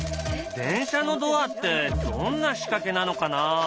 電車のドアってどんな仕掛けなのかな。